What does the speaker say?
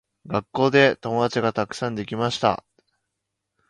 学校でたくさん友達ができました。